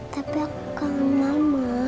tapi aku kangen mama